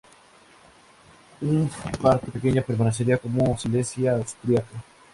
Un parte pequeña permanecía como Silesia austríaca.